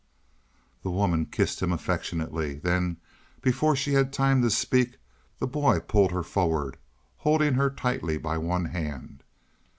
_" The woman kissed him affectionately. Then, before she had time to speak, the boy pulled her forward, holding her tightly by one hand.